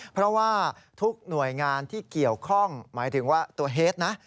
เพราะว่าทุกหน่วยงานที่เกี่ยวข้องหมายถึงว่าตัวเฮดนะ